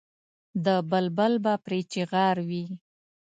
د بلبل به پرې چیغار وي.